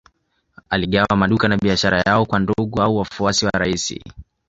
Aligawa maduka na biashara yao kwa ndugu au wafuasi wa rais